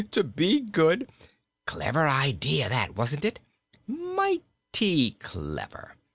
to be good! Clever idea, that, wasn't it? Mighty clever!